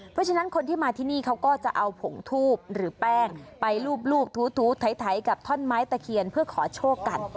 เพราะฉะนั้นคนที่มาที่นี่เขาก็จะเอาผงทูบหรือแป้งไปรูปถูไถกับท่อนไม้ตะเคียนเพื่อขอโชคกัน